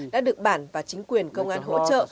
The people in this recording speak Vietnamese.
đã được bản và chính quyền công an hỗ trợ